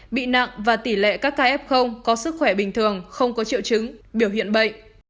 bị nặng và tỷ lệ các ca f có sức khỏe bình thường không có triệu chứng biểu hiện bệnh